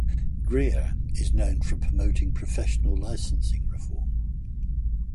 Grier is known for promoting professional licensing reform.